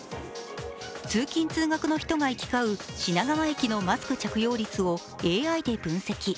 通勤通学の人が行き交う品川駅のマスク着用率をＡＩで分析。